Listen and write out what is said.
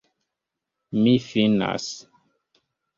Mi finas.